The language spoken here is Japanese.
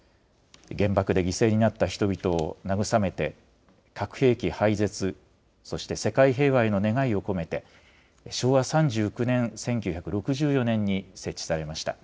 原爆で犠牲になった人々を慰めて、核兵器廃絶、そして世界平和への願いを込めて、昭和３９年・１９６４年に設置されました。